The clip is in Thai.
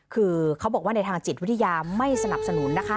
คือเขาบอกว่าในทางจิตวิทยาไม่สนับสนุนนะคะ